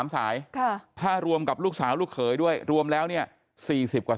๓สายถ้ารวมกับลูกสาวลูกเขยด้วยรวมแล้วเนี่ย๔๐กว่า